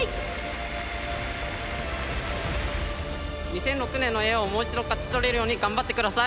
２００６年の栄誉をもう一度勝ち取れるように頑張って下さい。